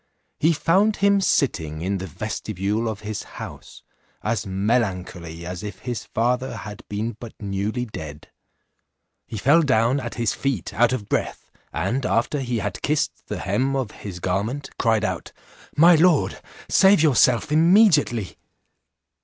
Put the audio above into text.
He found him sitting in the vestibule of his house, as melancholy as if his father had been but newly dead. He fell down at his feet out of breath, and alter he had kissed the hem of his garment, cried out, "My lord, save yourself immediately."